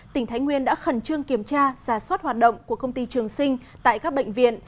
tỉnh thái nguyên đã khẩn trương kiểm tra giả soát hoạt động của công ty trường sinh tại các bệnh viện